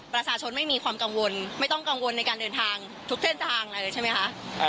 ประชาชนไม่มีความกังวลไม่ต้องกังวลในการเดินทางทุกเส้นทางเลยใช่ไหมคะ